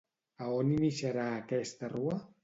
A on iniciarà aquesta rua?